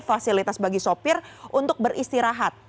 fasilitas bagi sopir untuk beristirahat